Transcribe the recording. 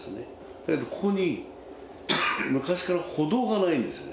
だけどここに昔から歩道がないんですね。